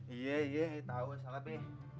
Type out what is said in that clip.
iya iya tau salah be